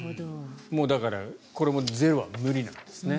もうだからこれもゼロは無理なんですね。